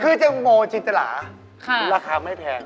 คือแตงโมจิตเตอร์หลาราคาไม่แทง